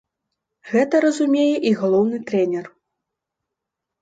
Гэта разумее і галоўны трэнер.